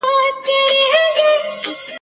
ويل كښېنه د كور مخي ته جنجال دئ !.